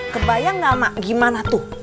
kebayang gak mak gimana tuh